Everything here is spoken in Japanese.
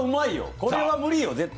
これは無理よ、絶対。